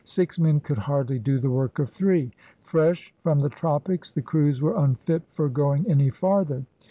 Six men could hardly do the work of three. Fresh from the tropics, the crews were unfit for going any farther.